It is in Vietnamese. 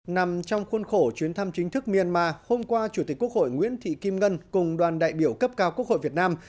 nằm trong khuôn khổ chuyến thăm chính thức myanmar hôm qua chủ tịch quốc hội nguyễn thị kim ngân cùng đoàn đại biểu cấp cao quốc hội việt nam